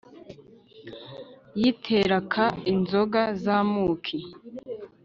, yitereka inzoga z'amuki,